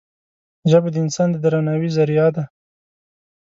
ژبه د انسان د درناوي زریعه ده